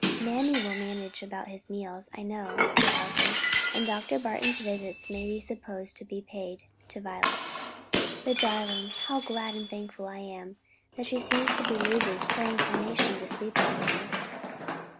"Mammy will manage about his meals, I know," said Elsie, "and Dr. Barton's visits may be supposed to be paid to Violet. The darling! how glad and thankful I am that she seems to be losing her inclination to sleep walking."